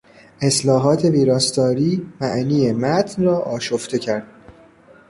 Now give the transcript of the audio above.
اصلاحات ویراستاری معنی متن را آشفته کرد.